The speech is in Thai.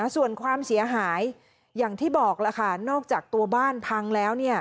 ส่วนความเสียหายอย่างที่บอกล่ะค่ะนอกจากตัวบ้านพังแล้ว